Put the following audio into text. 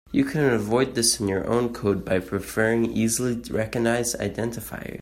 You can avoid this in your own code by preferring easily recognized identifiers.